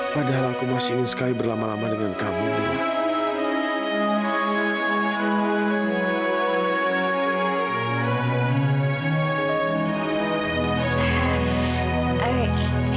padahal aku masih ingin sekali berlama lama dengan kamu